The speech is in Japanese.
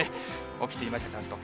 起きていました、ちゃんと。